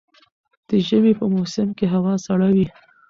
د ژمي په موسم کي هوا سړه وي